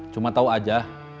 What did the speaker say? cuma tau aja